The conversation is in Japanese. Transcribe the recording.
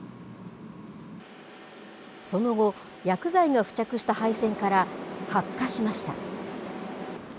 その後、薬剤が付着した配線から発火しました。